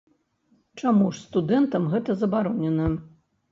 Чаму ж студэнтам гэта забаронена?